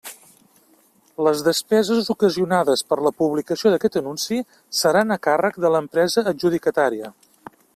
Les despeses ocasionades per la publicació d'aquest anunci seran a càrrec de l'empresa adjudicatària.